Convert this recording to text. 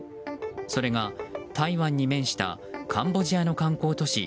それがタイ湾に面したカンボジアの観光都市